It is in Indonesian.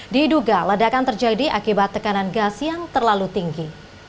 diduga ledakan terjadi akibat tekanan gas yang terlalu tinggi